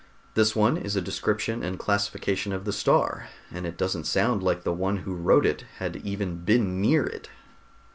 "This one is a description and classification of the star, and it doesn't sound like the one who wrote it had even been near it."